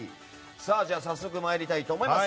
早速、参りたいと思います。